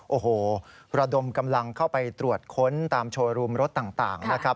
โอ้โหระดมกำลังเข้าไปตรวจค้นตามโชว์รูมรถต่างนะครับ